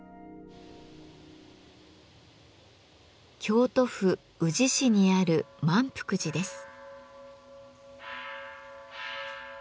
京都府宇治市にある萬福寺です。